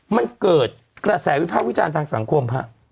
มันเกิดกระแสวิภาควิจารณ์ทางสังคมฮะ